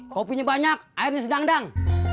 kopinya banyak airnya sedandang